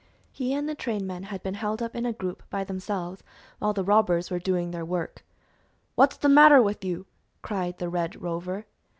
He and the trainmen had been held up in a group by themselves while the robbers were doing their work. "What's the matter with you?" cried the Red Rover.